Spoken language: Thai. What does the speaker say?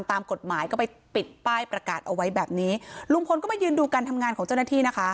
ตามกฎหมายก็ไปปิดป้ายประกาศเอาไว้แบบนี้ลุงพลก็มายืนดูการทำงานของเจ้าหน้าที่นะคะ